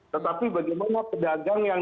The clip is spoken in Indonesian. tetapi bagaimana pedagang yang